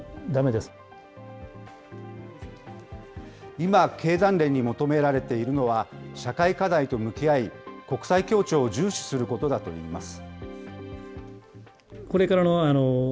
今、経団連に求められているのは、社会課題と向き合い、国際協調を重視することだといいます。